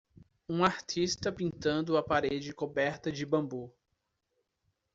Um artista pintando a parede coberta de bambu.